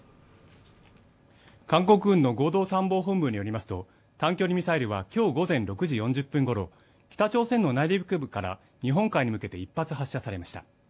韓国軍の合同参謀本部によりますと、短距離ミサイルは今日午前６時４０分ごろ、北朝鮮の内陸部から日本海に向けて１発発射されました。